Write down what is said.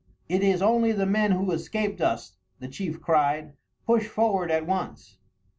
"It is only the men who escaped us," the chief cried; "push forward at once."